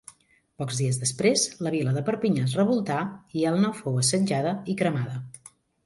Pocs dies després, la vila de Perpinyà es revoltà i Elna fou assetjada i cremada.